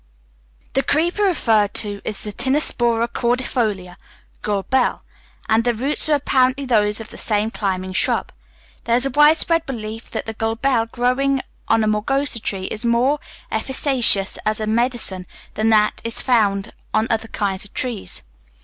The creeper referred to is Tinospora cordifolia (gul bel), and the roots are apparently those of the same climbing shrub. There is a widespread belief that gul bel growing on a margosa tree is more efficacious as a medicine than that which is found on other kinds of trees.